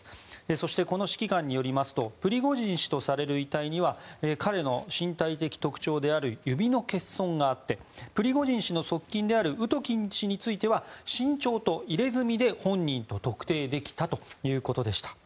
そして、この指揮官によりますとプリゴジン氏とされる遺体には彼の身体的特徴である指の欠損があってプリゴジン氏の側近であるウトキン氏については身長と入れ墨で本人と特定できたということでした。